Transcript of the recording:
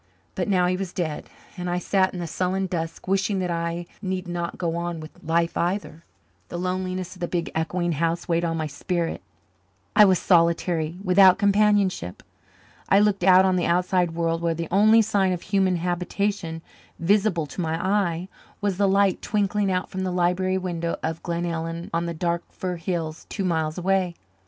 But now he was dead, and I sat in the sullen dusk, wishing that I need not go on with life either. The loneliness of the big echoing house weighed on my spirit. I was solitary, without companionship. I looked out on the outside world where the only sign of human habitation visible to my eyes was the light twinkling out from the library window of Glenellyn on the dark fir hill two miles away.